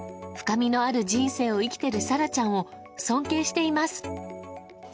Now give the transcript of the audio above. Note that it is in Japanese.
深みのある人生を生きてる沙羅ちゃんを尊敬しています。